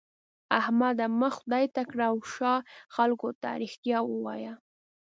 احمده! مخ خدای ته کړه او شا خلګو ته؛ رښتيا ووايه.